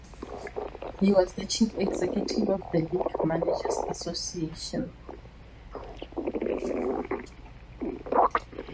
He was the chief executive of the League Managers Association.